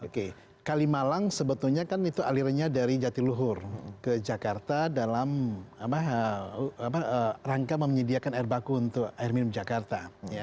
oke kalimalang sebetulnya kan itu alirannya dari jatiluhur ke jakarta dalam rangka menyediakan air baku untuk air minum jakarta